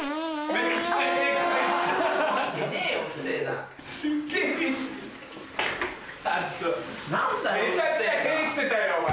めちゃくちゃ屁してたよお前。